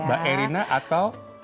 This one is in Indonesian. mbak erina atau